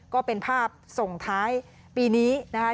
ก็เป็นภาพส่งท้ายปีนี้นะคะ